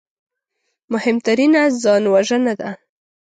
مهمترینه ځانوژنه ده